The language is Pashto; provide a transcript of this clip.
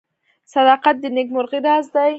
• صداقت د نیکمرغۍ راز دی.